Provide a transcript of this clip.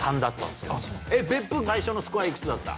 別府最初のスコアいくつだった？